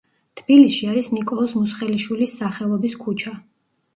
თბილისში არის ნიკოლოზ მუსხელიშვილის სახელობის ქუჩა.